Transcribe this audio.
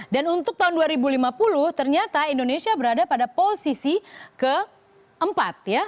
untuk tahun dua ribu lima puluh ternyata indonesia berada pada posisi keempat ya